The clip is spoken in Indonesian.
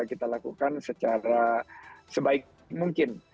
kita lakukan secara sebaik mungkin